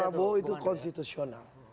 pak prabowo itu konstitusional